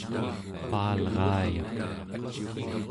paalraayak